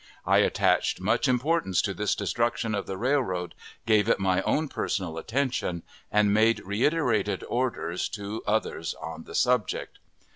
I attached much importance to this destruction of the railroad, gave it my own personal attention, and made reiterated orders to others on the subject.